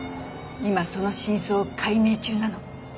今その真相を解明中なの。